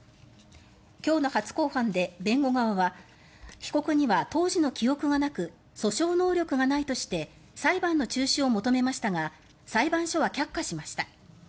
今日の初公判で、弁護側は被告には当時の記憶がなく訴訟能力がないとして裁判の中止を求めましたが裁判所は却下しました。